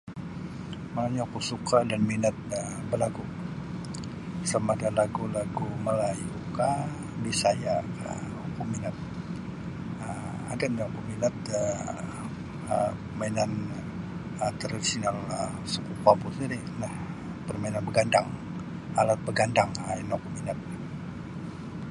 Monongnyo oku suka dan minat um balagu sama ada lagu-lagu Melayukah Bisayakah oku minat um ada nini oku minat um da mainan tradisional suku kaum ku sendiri permainan bagandang alat bagandang um ino oku minatlah.